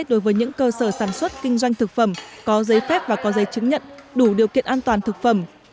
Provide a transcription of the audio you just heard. đối với những cơ sở sản xuất kinh doanh thực phẩm có giấy phép và có giấy chứng nhận đủ điều kiện an toàn thực phẩm